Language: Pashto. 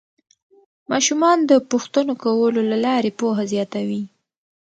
ماشومان د پوښتنو کولو له لارې پوهه زیاتوي